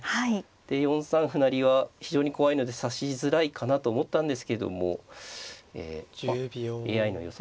で４三歩成は非常に怖いので指しづらいかなと思ったんですけどもえＡＩの予想